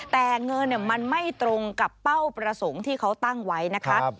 แต่เงินมันไม่ตรงกับเป้าประสงค์ที่เขาตั้งไว้นะคะ